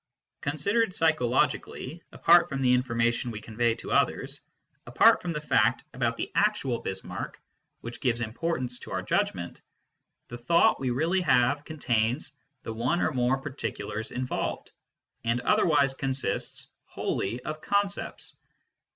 Con sidered psychologically, apart from the information we convey to others, apart from the fact about the actual *i8 MYSTICISM AND LOGIC Bismarck, which gives importance to our judgment, the thought we reall^haye contains the one or more par ticulars involved, iq.d otherwise consists wholly of con cepts.